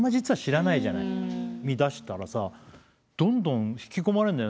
見だしたらさどんどん引き込まれるんだよ。